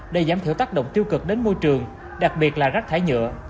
để giảm thiểu tác động tiêu cực đến môi trường đặc biệt là rác thải nhựa